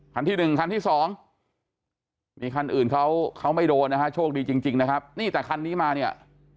คันที่หนึ่งคันที่สองมีคันอื่นเขาเขาไม่โดนนะฮะโชคดีจริงนะครับนี่แต่คันนี้มาเนี่ย